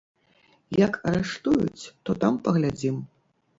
Як арыштуюць, то там паглядзім.